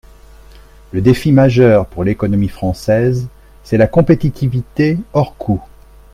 Le défi majeur pour l’économie française, c’est la compétitivité hors coût.